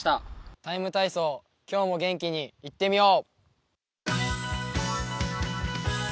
「ＴＩＭＥ，体操」、今日も元気にいってみよう！